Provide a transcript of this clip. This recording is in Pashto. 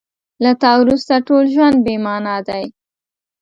له تا وروسته ټول ژوند بې مانا دی.